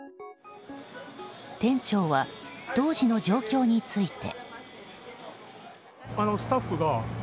店長は、当時の状況について。